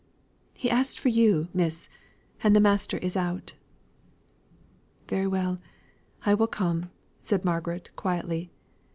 "He asked for you, miss; and master is out." "Very well, I will come," said Margaret, quietly.